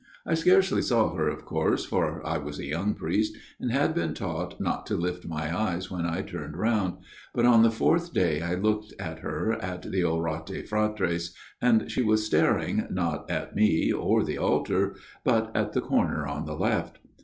I scarcely saw her, of course, for I was a young priest and had been taught not to lift my eyes FATHER BIANCHI'S STORY 143 when I turned round, but on the fourth day I looked at her at the Orate fratres, and she was staring not at me or the altar, but at the corner on the left.